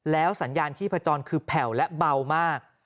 แล้วสัญญาณที่ผจญคือแผ่วและเบามาก